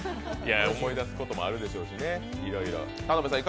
思い出すこともあるでしょうしねいろいろ。